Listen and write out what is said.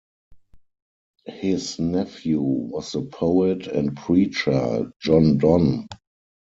His nephew was the poet and preacher John Donne.